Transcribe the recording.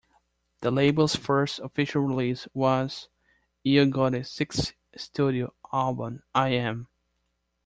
The label's first official release was Yo Gotti's sixth studio album "I Am".